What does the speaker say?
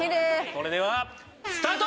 それではスタート！